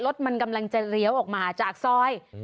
รถมันกำลังจะเลี้ยวออกมาจากซอย